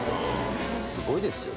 すごいですよね。